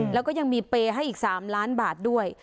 แล้วก็ยังมีเปย์ให้อีก๓ล้านบาทด้วย